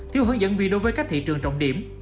thiếu hướng dẫn vì đối với các thị trường trọng điểm